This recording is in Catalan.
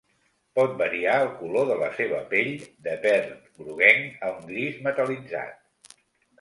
Pot variar el color de la seva pell de verd groguenc a un gris metal·litzat.